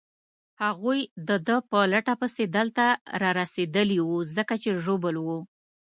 هغوی د ده په لټه پسې دلته رارسېدلي وو، ځکه چې ژوبل وو.